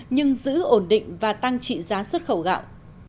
nhưng giữ ổn định và tăng trị giá xuất khẩu gạo